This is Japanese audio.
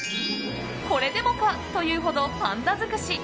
これでもかというほどパンダ尽くし！